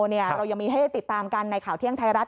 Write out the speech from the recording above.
เรายังมีให้ติดตามกันในข่าวเที่ยงไทยรัฐ